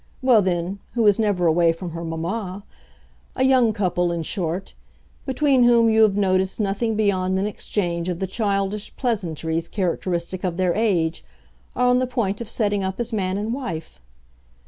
Well, then, who is never away from her mamma—a young couple, in short, between whom you have noticed nothing beyond an exchange of the childish pleasantries characteristic of their age, are on the point of setting up as man and wife."